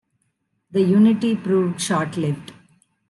The unity proved short-lived.